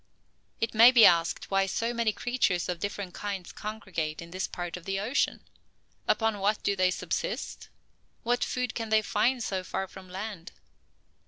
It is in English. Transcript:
It may be asked why so many creatures of different kinds congregate in this part of the ocean? Upon what do they subsist? what food can they find so far from land?